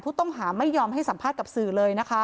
พุทธงฮาไม่ยอมให้สัมภาษณ์กับสื่อเลย